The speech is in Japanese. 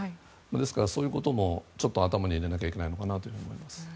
ですから、そういうこともちょっと頭に入れなきゃいけないのかなと思います。